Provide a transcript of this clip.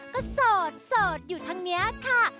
ก็โสดโสดอยู่ทางนี้ค่ะ